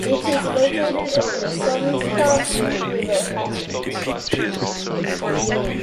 It is located on the Sunzha River.